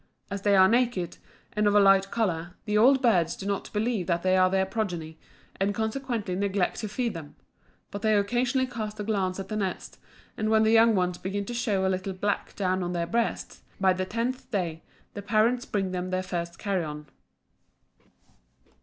As they are naked, and of a light color, the old birds do not believe that they are their progeny, and consequently neglect to feed them; but they occasionally cast a glance at the nest, and when the young ones begin to show a little black down on their breasts, by the tenth day, the parents bring them the first carrion.